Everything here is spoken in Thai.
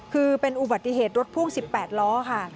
คือเป็นอุบัติเหตุรถพ่วง๑๘ล้อค่ะ